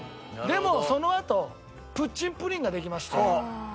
でもそのあとプッチンプリンができまして。